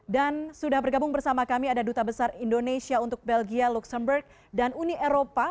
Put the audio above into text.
dan sudah bergabung bersama kami ada duta besar indonesia untuk belgia luxembourg dan uni eropa